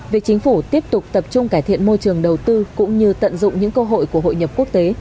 việc chính phủ tiếp tục tập trung cải thiện môi trường đầu tư cũng như tận dụng những cơ hội của hội nhập quốc tế